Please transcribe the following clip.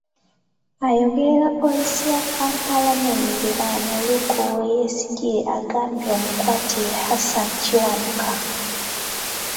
Ayogerera Poliisi ya Kampala n'emiriraano Luke Owoyesigyire agambye omukwate ye Hassan Kiwanuka.